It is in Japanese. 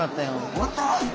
おわった！